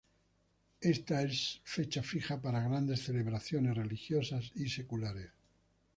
Esta es fecha fija para grandes celebraciones religiosas y seculares.